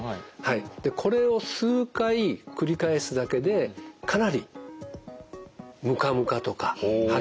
これを数回繰り返すだけでかなりムカムカとか吐き気はよくなります。